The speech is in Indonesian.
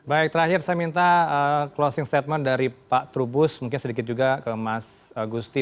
baik terakhir saya minta closing statement dari pak trubus mungkin sedikit juga ke mas gusti